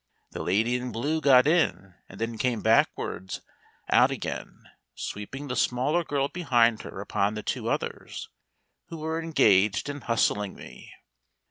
The lady in blue got in and then came backwards out again, sweeping the smaller girl behind her upon the two others, who were engaged in hustling me.